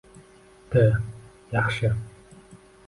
T: Yaxshi